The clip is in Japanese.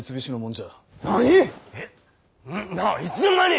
いつの間に！？